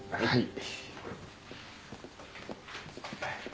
はい。